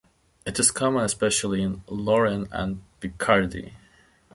It is common especially in Lorraine and Picardie.